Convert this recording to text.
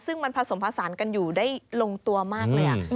ซึ่งมันผสมผสานกันอยู่ได้ลงตัวมากเลย